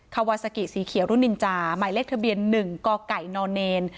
คาวาซากิสีเขียวรุ่นนินจาหมายเลขทะเบียน๑กไก่นเนน